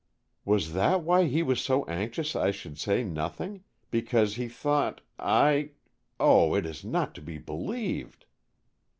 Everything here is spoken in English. "Was that why he was so anxious I should say nothing? because he thought I oh, it is not to be believed!"